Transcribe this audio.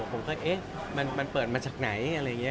ผมก็เอ๊ะมันเปิดมาจากไหน